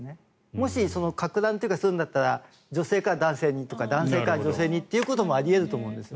もし、かく乱というかするんだったら女性から男性にとか男性から女性にということもあり得ると思うんです。